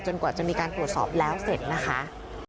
กว่าจะมีการตรวจสอบแล้วเสร็จนะคะ